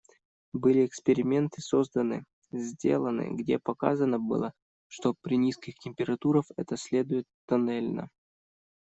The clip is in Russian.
Были эксперименты созданы, сделаны, где показано было, что при низких температурах это следует тоннельно.